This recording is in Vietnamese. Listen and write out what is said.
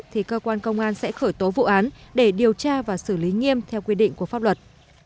thì cơ quan công an sẽ khởi tố vụ án để điều tra và xử lý nghiêm theo quy định của pháp luật